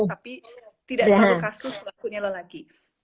tapi tidak satu kasus pelakunya lelaki